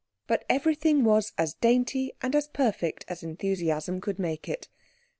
But everything was as dainty and as perfect as enthusiasm could make it.